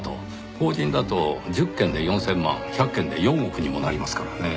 法人だと１０件で４０００万１００件で４億にもなりますからね。